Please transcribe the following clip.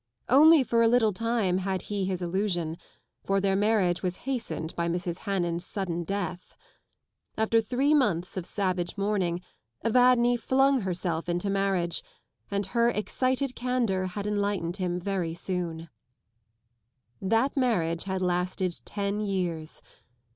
Only for a little time had he had his illusion, for their marriage was hastened by Mrs. Hannan's sudden death. After three months of savage mourning Evadne flung herself into marriage, and her excited candour had enlightened him very soon. That marriage had lasted ten years.